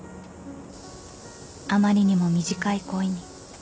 ［あまりにも短い恋に。